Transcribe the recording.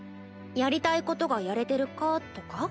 やりたいことがやれてるかとか？